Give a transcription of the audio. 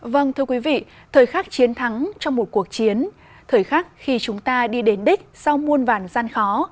vâng thưa quý vị thời khắc chiến thắng trong một cuộc chiến thời khắc khi chúng ta đi đến đích sau muôn vàn gian khó